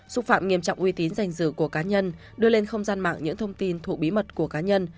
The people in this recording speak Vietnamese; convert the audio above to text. xúc phạm nghiêm trọng uy tín danh dự của cá nhân đưa lên không gian mạng những thông tin thuộc bí mật của cá nhân